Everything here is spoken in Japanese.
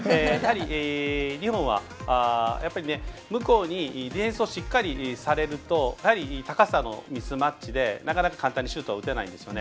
日本は、やっぱり向こうにディフェンスをしっかりされると高さのミスマッチでなかなか簡単にシュート打てないんですよね。